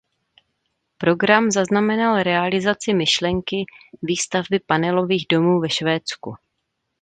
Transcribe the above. Program znamenal realizaci myšlenky výstavby panelových domů ve Švédsku.